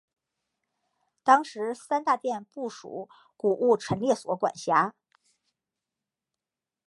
当时三大殿不属古物陈列所管辖。